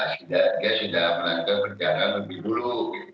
sudah menjalankan platform lebih dulu